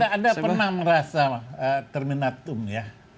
ya anda pernah merasa terminatum ya